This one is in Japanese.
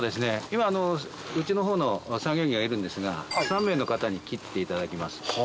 今うちのほうの作業員がいるんですが３名の方に切っていただきます。